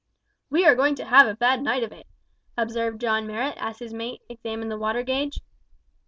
"We are going to have a bad night of it," observed John Marrot as his mate examined the water gauge.